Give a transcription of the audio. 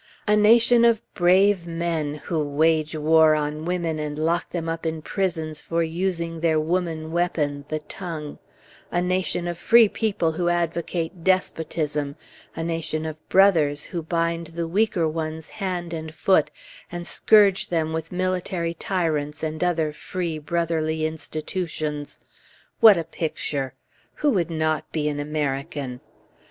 A nation of brave men, who wage war on women and lock them up in prisons for using their woman weapon, the tongue; a nation of free people who advocate despotism; a nation of Brothers who bind the weaker ones hand and foot, and scourge them with military tyrants and other Free, Brotherly institutions; what a picture! Who would not be an American?